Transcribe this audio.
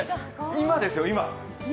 今ですよ、今！